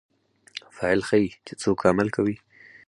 فاعل ښيي، چي څوک عمل کوي.